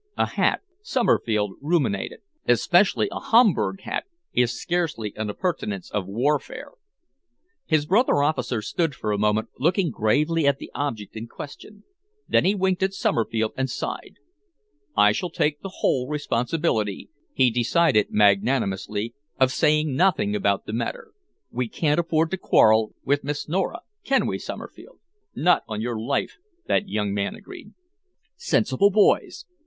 "A hat," Somerfield ruminated, "especially a Homburg hat, is scarcely an appurtenance of warfare." His brother officer stood for a moment looking gravely at the object in question. Then he winked at Somerfield and sighed. "I shall take the whole responsibility," he decided magnanimously, "of saying nothing about the matter. We can't afford to quarrel with Miss Nora, can we, Somerfield?" "Not on your life," that young man agreed. "Sensible boys!"